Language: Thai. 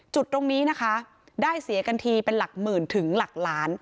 จุดตรงนี้นะคะได้เสียกันทีเป็นหลักหมื่นถึงหลักล้าน